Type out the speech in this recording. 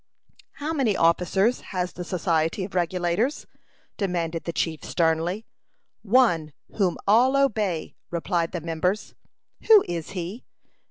"How many officers has the Society of Regulators?" demanded the chief, sternly. "One, whom all obey," replied the members. "Who is he?"